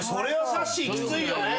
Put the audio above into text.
さっしーきついよね。